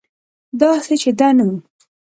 داسې چې ده نو